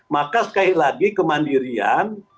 maka sekali lagi kemandirian